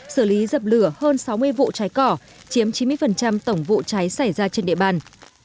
xử lý dập lửa hơn sáu mươi vụ cháy cỏ chiếm chín mươi tổng vụ cháy xảy ra trên địa bàn